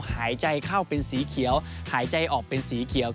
หายใจเข้าเป็นสีเขียวหายใจออกเป็นสีเขียว